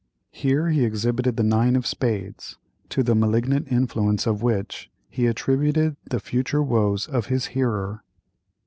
Here he exhibited the nine of spades, to the malignant influence of which he attributed the future woes of his hearer.